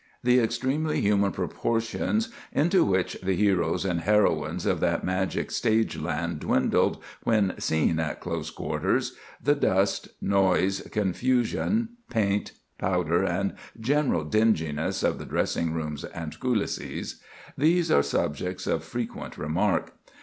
The extremely human proportions into which the heroes and heroines of that magic stage land dwindled when seen at close quarters,—the dust, noise, confusion, paint, powder, and general dinginess of the dressing rooms and coulisses,—these are subjects of frequent remark.